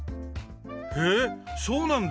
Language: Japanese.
へえそうなんだ。